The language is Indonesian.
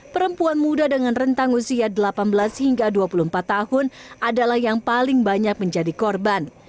perempuan muda dengan rentang usia delapan belas hingga dua puluh empat tahun adalah yang paling banyak menjadi korban